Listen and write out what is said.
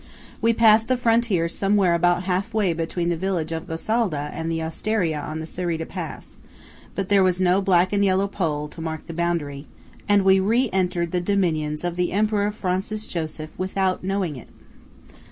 We passed the frontier somewhere about half way between the village of Gosalda and the osteria on the Cereda pass; but there was no black and yellow pole to mark the boundary, and we re entered the dominions of the Emperor Francis Joseph without knowing it.